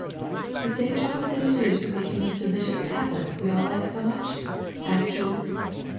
'^'' The same chocolate that is used for making those delicious tablets we all like so muchT' asked Jules.